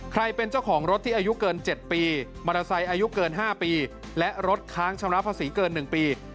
เป็นเจ้าของรถที่อายุเกิน๗ปีมอเตอร์ไซค์อายุเกิน๕ปีและรถค้างชำระภาษีเกิน๑ปี